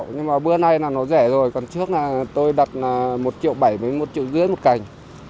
nhưng mà bữa nay là nó rẻ rồi còn trước là tôi đặt là một triệu bảy với một triệu rưỡi một cành